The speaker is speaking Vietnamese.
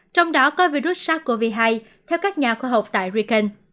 trong đó có virus sars cov hai theo các nhà khoa học tại riken